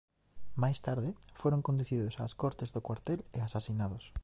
Máis tarde foron conducidos ás cortes do cuartel e asasinados.